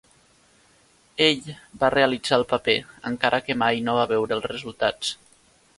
Ell va realitzar el paper, encara que mai no va veure els resultats.